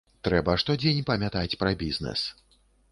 Трэба штодзень памятаць пра бізнэс.